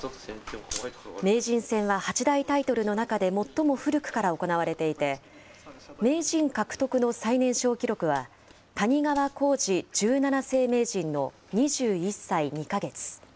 名人戦は八大タイトルの中で最も古くから行われていて、名人獲得の最年少記録は、谷川浩司十七世名人の２１歳２か月。